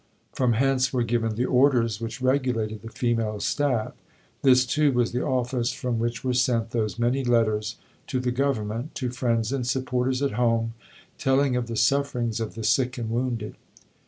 From hence were given the orders which regulated the female staff. This, too, was the office from which were sent those many letters to the Government, to friends and supporters at home, telling of the sufferings of the sick and wounded."